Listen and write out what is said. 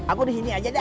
aku disini aja dah